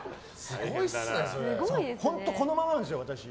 本当このままですよ、私。